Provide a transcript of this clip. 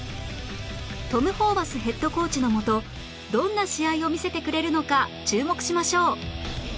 トム・ホーバスヘッドコーチのもとどんな試合を見せてくれるのか注目しましょう